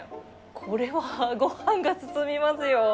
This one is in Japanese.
これはごはんが進みますよ。